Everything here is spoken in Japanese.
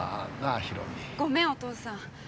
ごめんお父さん。